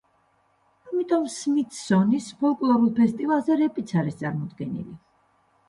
ამიტომ სმითსონის ფოლკლორულ ფესტივალზე რეპიც არის წარმოდგენილი.